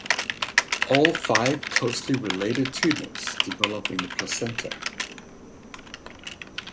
All five closely related tumours develop in the placenta.